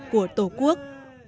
của tổ quốc